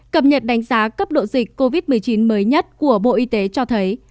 cập nhật đánh giá cấp độ dịch covid một mươi chín mới nhất của bộ y tế cho thấy